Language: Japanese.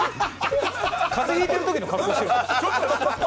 風邪引いてる時の格好してるから。